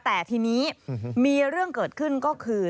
แต่ทีนี้มีเรื่องเกิดขึ้นก็คือ